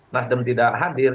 nasdem tidak hadir